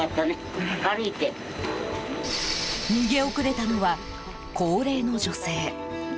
逃げ遅れたのは高齢の女性。